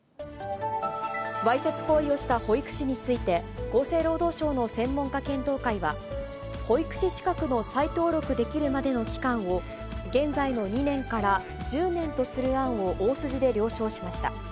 わいせつ行為をした保育士について、厚生労働省の専門家検討会は、保育士資格の再登録できるまでの期間を、現在の２年から１０年とする案を、大筋で了承しました。